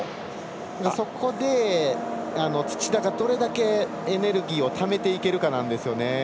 そこで土田がどれだけエネルギーをためていけるかなんですよね。